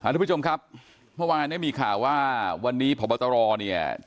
ทุกผู้ชมครับเมื่อวานเนี่ยมีข่าวว่าวันนี้พบตรเนี่ย